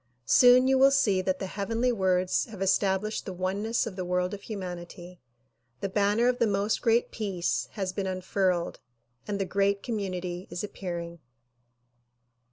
Soon you will see that the heavenly words have established the oneness of the world of hu manity. The banner of the "Most Great Peace" has been unfurled and the "great community" is appearing.